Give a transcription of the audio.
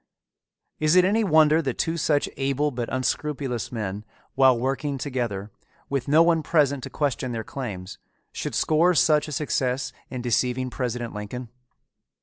Is it any wonder that two such able but unscrupulous men, while working together, with no one present to question their claims, should score such a success in deceiving President Lincoln?